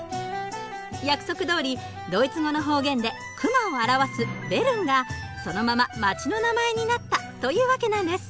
約束どおりドイツ語の方言でクマを表す「ベルン」がそのまま街の名前になったというわけなんです。